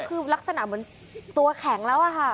คือลักษณะเหมือนตัวแข็งแล้วอะค่ะ